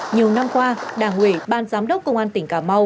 nhiều năm qua đảng ủy ban giám đốc công an tỉnh cà mau